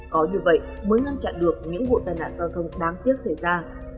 có như vậy mới ngăn chặn được những vụ tai nạn giao thông đáng tiếc xảy ra